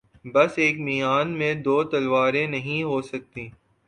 بس ایک میان میں دو تلواریں نہیں ہوسکتیں